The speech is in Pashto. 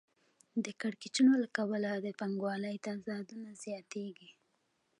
د کړکېچونو له کبله د پانګوالۍ تضادونه زیاتېږي